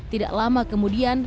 tidak lama kemudian